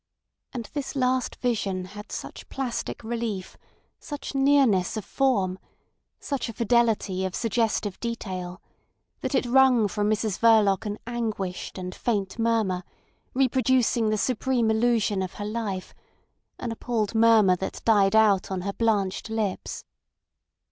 And this last vision had such plastic relief, such nearness of form, such a fidelity of suggestive detail, that it wrung from Mrs Verloc an anguished and faint murmur, reproducing the supreme illusion of her life, an appalled murmur that died out on her blanched lips.